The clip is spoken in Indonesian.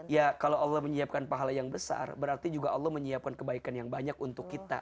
ya kalau allah menyiapkan pahala yang besar berarti juga allah menyiapkan kebaikan yang banyak untuk kita